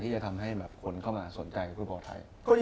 ที่จะทำให้คนเข้ามาสนใจกับฟุตบอลไทย